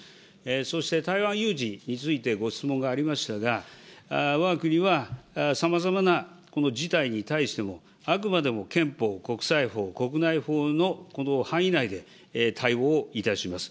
そして、台湾有事についてご質問がありましたが、わが国はさまざまな事態に対しても、あくまでも憲法、国際法、国内法の範囲内で、対応をいたします。